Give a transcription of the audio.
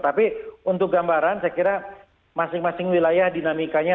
tapi untuk gambaran saya kira masing masing wilayah dinamikanya